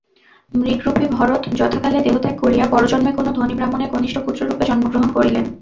মৃগরূপী ভরত যথাকালে দেহত্যাগ করিয়া পরজন্মে কোন ধনী ব্রাহ্মণের কনিষ্ঠ পুত্ররূপে জন্মগ্রহণ করিলেন।